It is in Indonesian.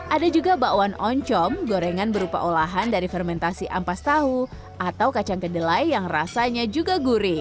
ada juga bakwan oncom gorengan berupa olahan dari fermentasi ampas tahu atau kacang kedelai yang rasanya juga gurih